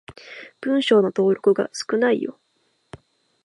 文章の登録が少ないよ。